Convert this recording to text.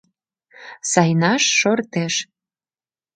Сайнай шортеш.